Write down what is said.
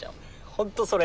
ホントそれな。